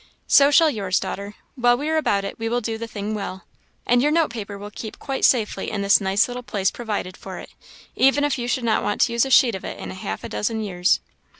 "So shall yours, daughter; while we are about it, we will do the thing well. And your note paper will keep quite safely in this nice little place provided for it, even if you should not want to use a sheet of it in half a dozen years."